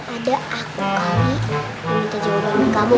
ada aku kali minta jauh dulu sama kamu